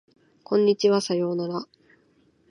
こんにちはさようなら